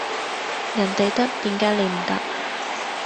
人哋得點解你唔得